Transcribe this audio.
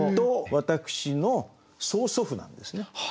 私の曽祖父なんですね。